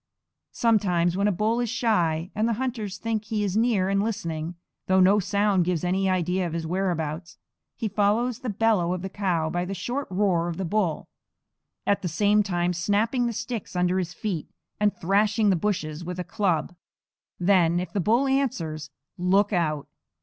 Sometimes when a bull is shy, and the hunter thinks he is near and listening, though no sound gives any idea of his whereabouts, he follows the bellow of the cow by the short roar of the bull, at the same time snapping the sticks under his feet, and thrashing the bushes with a club. Then, if the bull answers, look out.